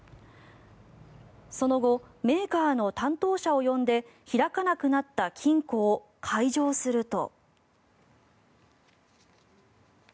その後メーカーの担当者を呼んで開かなくなった金庫を開錠すると。